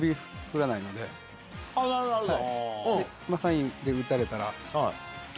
なるほどなるほど。